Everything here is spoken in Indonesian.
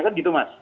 kan gitu mas